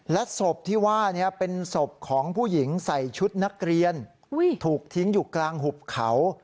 และศพที่ว่านี้เป็นศพของผู้หญิงใส่ชุดนักเรียนถูกทิ้งอยู่กลางหุบเขา